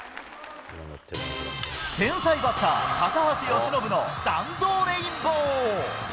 天才バッター、高橋由伸の弾道レインボー。